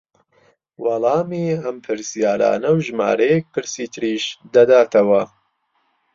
وەڵامی ئەم پرسیارانە و ژمارەیەک پرسی تریش دەداتەوە